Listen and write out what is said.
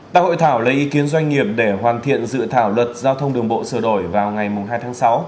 tại hội thảo lấy ý kiến doanh nghiệp để hoàn thiện dự thảo luật giao thông đường bộ sửa đổi vào ngày hai tháng sáu